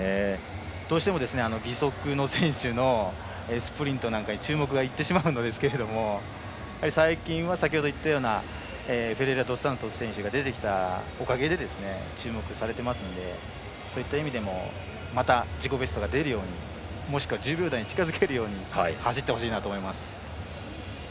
どうしても義足の選手のスプリントなんかに注目がいってしまうんですが最近は先ほどいったようなフェレイラドスサントス選手が出てきたおかげで注目されていますのでそういった意味でもまた自己ベストが出るようにもしくは１０秒台に近づけるように走ってほしいなと思います。